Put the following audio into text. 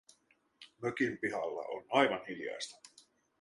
Mökin pihalla on aivan hiljaista.